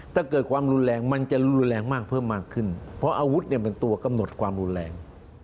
ถ้าเกิดความรุนแรงมันจะรุนแรงมากเพิ่มมากขึ้นเพราะอาวุธเนี่ยเป็นตัวกำหนดความรุนแรง